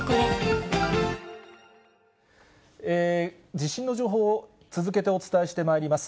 地震の情報を続けてお伝えしてまいります。